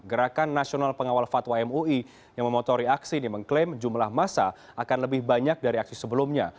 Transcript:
gerakan nasional pengawal fatwa mui yang memotori aksi ini mengklaim jumlah masa akan lebih banyak dari aksi sebelumnya